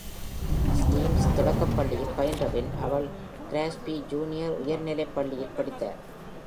Steams தொடக்கப்பள்ளியில் பயின்ற பின், இவள் க்ராஸ்பி ஜுனியர் உயர்நிலைப் பள்ளியில் படித்தார்.